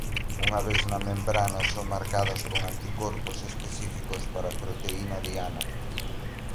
Unha vez na membrana son marcadas con anticorpos específicos para a proteína diana.